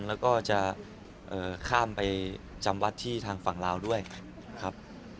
แล้วก็จะข้ามไปจำวัดที่ทางฝั่งลาวด้วยครับ